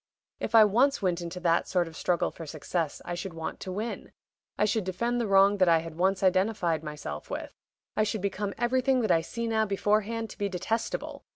If I once went into that sort of struggle for success I should want to win I should defend the wrong that I had once identified myself with. I should become everything that I see now beforehand to be detestable.